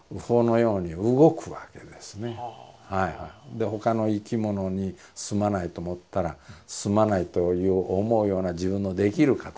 で他の生き物にすまないと思ったらすまないと思うような自分のできる形で。